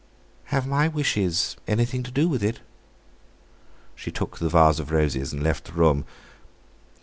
"Have my wishes anything to do with it?" She took the vase of roses and left the room.